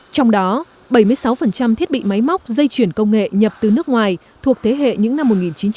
trong đó bảy mươi sáu thiết bị máy móc dây chuyển công nghệ nhập từ nước ngoài thuộc thế hệ những năm một nghìn chín trăm sáu mươi một nghìn chín trăm bảy mươi